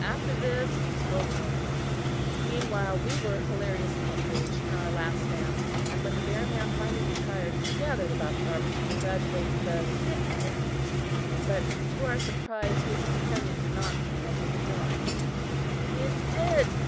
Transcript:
After this, he spoke no more. Meanwhile, we were hilariously engaged in our last dance, and when the bear man finally retired, we gathered about the arbor to congratulate the sick bear man. But, to our surprise, his companion did not re enter the den. "He is dead!